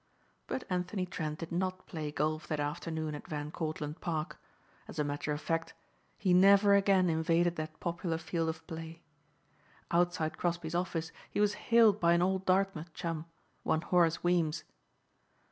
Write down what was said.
But Anthony Trent did not play golf that afternoon at Van Cortlandt Park. As a matter of fact he never again invaded that popular field of play. Outside Crosbeigh's office he was hailed by an old Dartmouth chum, one Horace Weems.